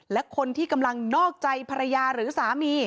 และคนที่กำลังนอกใจภรรยาหรือสามี